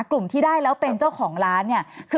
กลุ่มที่ได้แล้วเป็นเจ้าของร้านเนี่ย